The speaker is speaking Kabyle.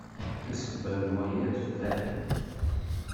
Tasebba n waya tban.